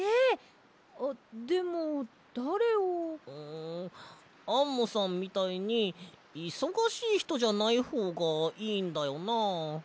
んアンモさんみたいにいそがしいひとじゃないほうがいいんだよな。